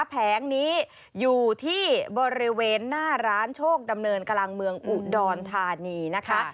แผงนี้อยู่ที่บริเวณหน้าร้านโชคดำเนินกำลังเมืองอุดรธานีนะคะ